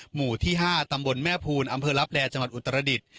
หมู่ที่๕ตำบลแม่ภูนย์อำเภอรับแรงจำนวนอุตรศักดิษฐ์